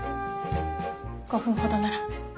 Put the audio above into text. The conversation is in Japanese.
５分ほどなら。